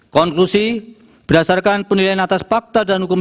konklusi berdasarkan penilaian atas fakta dan hukum